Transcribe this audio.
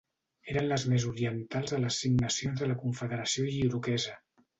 Eren les més orientals de les Cinc Nacions de la Confederació Iroquesa.